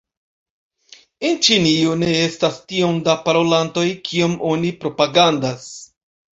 En Ĉinio ne estas tiom da parolantoj, kiom oni propagandas.